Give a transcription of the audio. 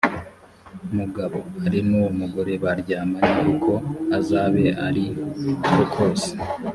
mugabo ari n uwo mugore baryamanye uko azabe ari ko kose